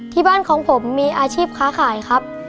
ที่บ้านของผมมีอาชีพค้าขายครับ